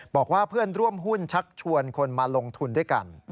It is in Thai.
บอกว่าเพื่อนร่วมหุ้นชักชวนคนมาลงทุนด้วยกัน